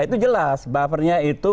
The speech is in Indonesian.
itu jelas buffernya itu